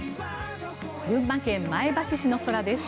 群馬県前橋市の空です。